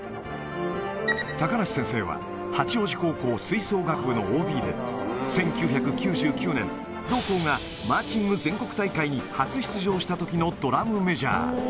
高梨先生は、八王子高校吹奏楽部のＯＢで、１９９９年、同校がマーチング全国大会に初出場したときのドラムメジャー。